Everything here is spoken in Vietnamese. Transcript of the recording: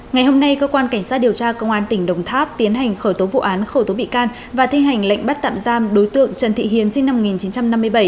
ngày hôm nay cơ quan cảnh sát điều tra công an tỉnh đồng tháp tiến hành khởi tố vụ án khởi tố bị can và thi hành lệnh bắt tạm giam đối tượng trần thị hiền sinh năm một nghìn chín trăm năm mươi bảy